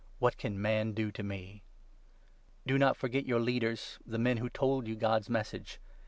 What can man do to me ?' Do not forget your Leaders, the men who told 7 Chr^and y°u God's Message.